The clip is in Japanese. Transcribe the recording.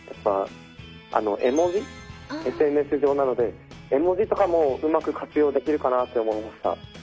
ＳＮＳ上なので絵文字とかもうまく活用できるかなって思いました。